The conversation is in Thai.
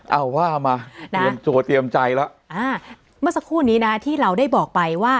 เอาว่ามาเตรียมตัวเตรียมใจแล้วอ่าเมื่อสักครู่นี้นะที่เราได้บอกไปว่า